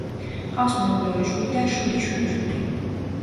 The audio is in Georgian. ჰყავს მეუღლე, ორი შვილი და შვიდი შვილიშვილი.